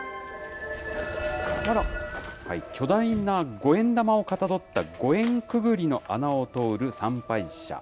巨大な五円玉をかたどった、ご縁くぐりの穴を通る参拝者。